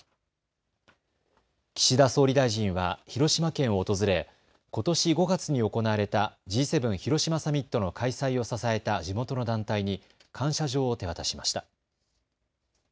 岸田総理大臣は広島県を訪れことし５月に行われたＧ７広島サミットの開催を支えた地元の団体に感謝状を手渡しました。